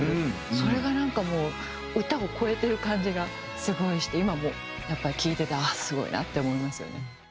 それがなんかもう歌を超えてる感じがすごいして今もやっぱり聴いててあっすごいなって思いますよね。